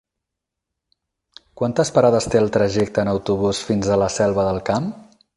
Quantes parades té el trajecte en autobús fins a la Selva del Camp?